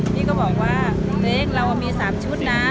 พี่ก็บอกว่าเรามีสามชุดนะ